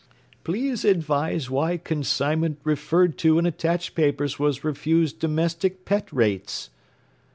Please advise why consignment referred to in attached papers was refused domestic pet rates.